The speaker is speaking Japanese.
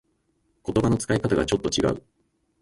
言葉の使い方がちょっと違う